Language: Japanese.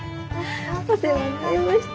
お世話になりました。